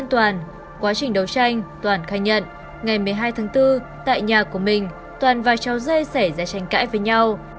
trong quá trình đấu tranh toàn khai nhận ngày một mươi hai tháng bốn tại nhà của mình toàn và cháu dây xảy ra tranh cãi với nhau